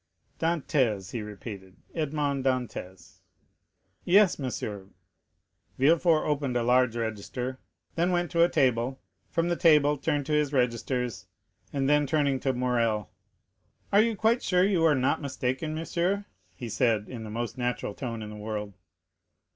"Dantès," repeated he, "Edmond Dantès." "Yes, monsieur." Villefort opened a large register, then went to a table, from the table turned to his registers, and then, turning to Morrel, "Are you quite sure you are not mistaken, monsieur?" said he, in the most natural tone in the world.